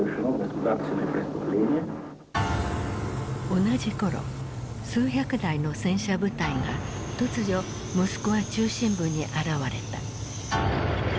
同じ頃数百台の戦車部隊が突如モスクワ中心部に現れた。